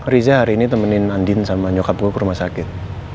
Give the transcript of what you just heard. riza hari ini temenin andin sama nyokap gue ke rumah sakit